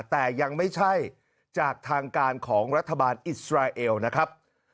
แต่ยังไม่ใช่จากทางการของรัฐบาลอิสราเอลนะครับ